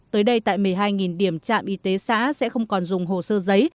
tới đây tại một mươi hai điểm trạm y tế xã sẽ không còn dùng hồ sơ giấy